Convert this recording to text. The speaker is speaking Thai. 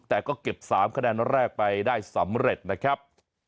แต่ก็เก็บ๓คะแนนแรกไปได้สำเร็จนะครับ